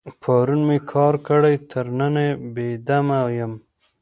پرون مې کار کړی، تر ننه بې دمه یم.